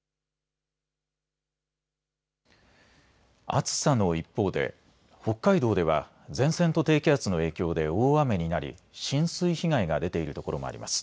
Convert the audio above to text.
暑さの一方で北海道では前線と低気圧の影響で大雨になり浸水被害が出ているところもあります。